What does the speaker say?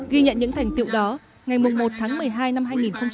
ghi nhận những thành tiệu đó ngày một tháng một mươi hai năm hai nghìn một mươi tám